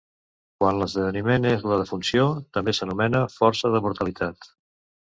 Quan l'esdeveniment és la defunció, també s'anomena força de mortalitat.